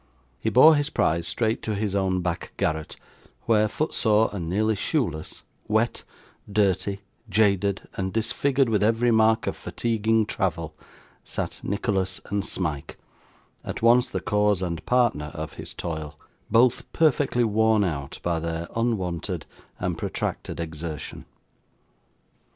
He bore his prize straight to his own back garret, where, footsore and nearly shoeless, wet, dirty, jaded, and disfigured with every mark of fatiguing travel, sat Nicholas and Smike, at once the cause and partner of his toil; both perfectly worn out by their unwonted and protracted exertion.